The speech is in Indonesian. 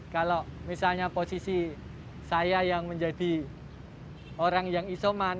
kalau misalnya posisi saya yang menjadi orang yang isoman